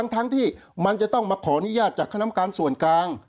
ทั้งที่มันจะต้องมาขออนุญาตจากคณะกรรมการส่วนกลาง